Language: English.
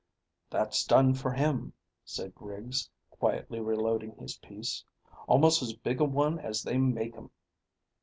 "That's done for him," said Griggs, quietly reloading his piece. "Almost as big a one as they make 'em."